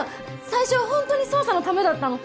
最初は本当に捜査のためだったの。